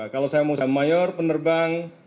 kalau saya mau sama mayor penerbang